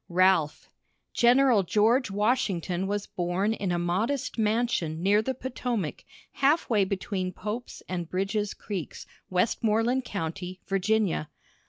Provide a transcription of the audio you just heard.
RALPH. General George Washington was born in a modest mansion near the Potomac, half way between Pope's and Bridge's creeks, Westmoreland County, Virginia.